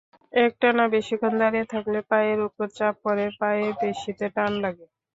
একটানা বেশিক্ষণ দাঁড়িয়ে থাকলে পায়ের ওপর চাপ পড়ে, পায়ের পেশিতে টান লাগে।